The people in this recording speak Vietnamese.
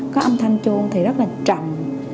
có âm thanh chuông thì rất là trầm